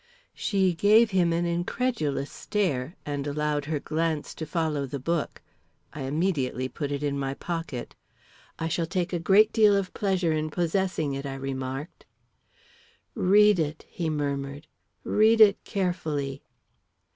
She gave him an incredulous stare, and allowed her glance to follow the book. I immediately put it in my pocket. "I shall take a great deal of pleasure in possessing it," I remarked. "Read it," he murmured; "read it carefully."